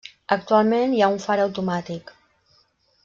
Actualment hi ha un far automàtic.